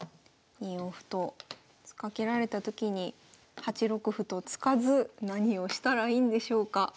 ２四歩と突っかけられたときに８六歩と突かず何をしたらいいんでしょうか？